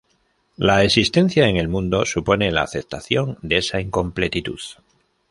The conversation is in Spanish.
La existencia en el mundo supone la aceptación de esa incompletitud.